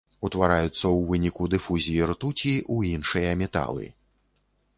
Утвараюцца ў выніку дыфузіі ртуці ў іншыя металы.